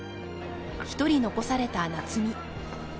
［１人残された夏海］